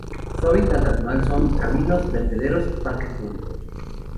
Su hábitat natural son caminos, vertederos, parques públicos.